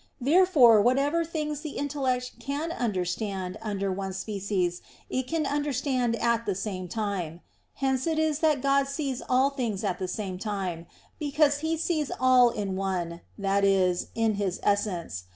Therefore whatever things the intellect can understand under one species, it can understand at the same time: hence it is that God sees all things at the same time, because He sees all in one, that is, in His Essence.